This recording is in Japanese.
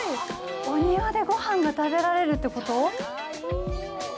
お庭でごはんが食べられるってこと！？